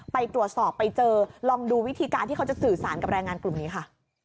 ไปตรวจสอบไปเจอลองดูวิธีการที่เขาจะสื่อสารกับแรงงานกลุ่มนี้ค่ะ